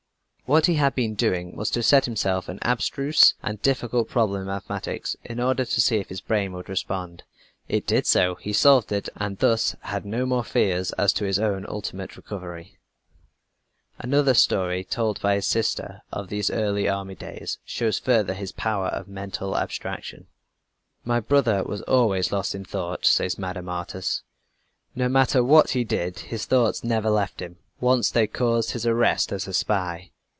What he had been doing was to set himself an abstruse and difficult problem in mathematics, in order to see if his brain would respond. It did so, he solved it and thus had no more fears as to his own ultimate recovery. Another story told by his sister, of these early army days, shows further his power of mental abstraction. "My brother was always lost in thought," says Mme. Artus. "No matter what he did, his thoughts never left him. Once they caused his arrest as a spy."